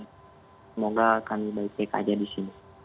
semoga kami baik baik aja di sini